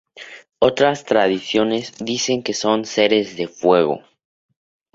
Otras tradiciones dicen que son seres de fuego.